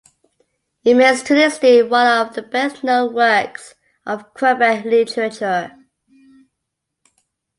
It remains to this day one of the best-known works of Quebec literature.